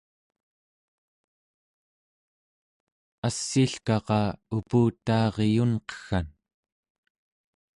assiilkaqa uputaariyunqeggan